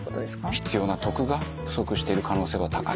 必要な徳が不足している可能性は高い。